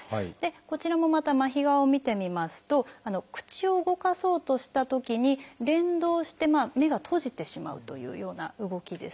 こちらもまた麻痺側を見てみますと口を動かそうとしたときに連動して目が閉じてしまうというような動きですね。